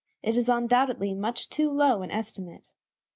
It is undoubtedly much too low an estimate.